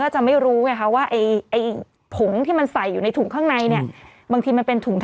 จริงเหรอ